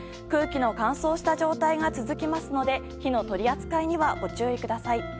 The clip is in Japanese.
空気の乾燥した状態が続きますので火の取り扱いにはご注意ください。